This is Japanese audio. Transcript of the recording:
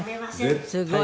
すごい。